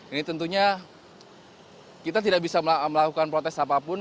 ini tentunya kita tidak bisa melakukan protes apapun